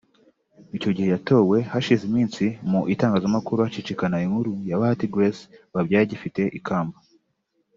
Icyo gihe yatowe hashize iminsi mu itangazamakuru hacicikana inkuru ya Bahati Grace wabyaye agifite ikamba